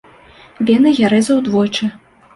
Вены я рэзаў двойчы.